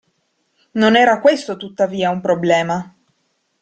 Non era questo tuttavia un problema.